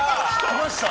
来ました！